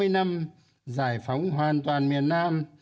năm mươi năm giải phóng hoàn toàn miền nam